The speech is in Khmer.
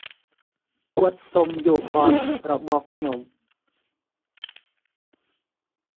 គាត់សុំយោបល់របស់ខ្ញុំ។